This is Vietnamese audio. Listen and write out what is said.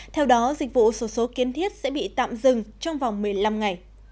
theo đó dịch vụ sổ số kiến thiết sẽ bị tạm dừng trong vòng một mươi năm ngày